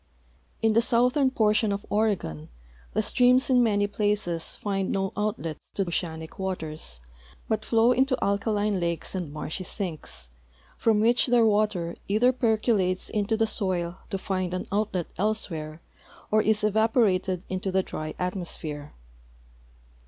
In the southern portion of Oregon the streams in many ])laces find no outlet to oceanic waters, but flow into alkaline lakes and marshy sinks, from which their water either percolates into the soil to find an outlet elsewhere or is evaporated into the dry atmosphere.